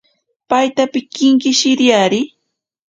Paita pinkinkishiriari.